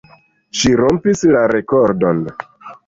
Ŝi rompis la rekordon.